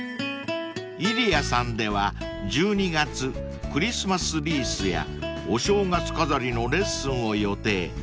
［Ｉｒｉａさんでは１２月クリスマスリースやお正月飾りのレッスンを予定］